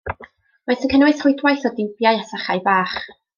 Maent yn cynnwys rhwydwaith o diwbiau a sachau bach.